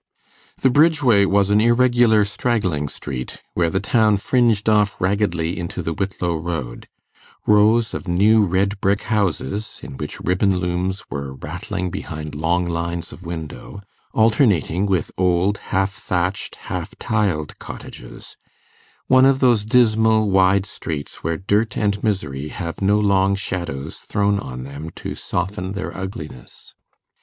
The Bridge Way was an irregular straggling street, where the town fringed off raggedly into the Whitlow road: rows of new red brick houses, in which ribbon looms were rattling behind long lines of window, alternating with old, half thatched, half tiled cottages one of those dismal wide streets where dirt and misery have no long shadows thrown on them to soften their ugliness.